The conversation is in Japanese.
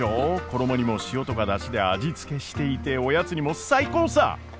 衣にも塩とか出汁で味付けしていておやつにも最高さ！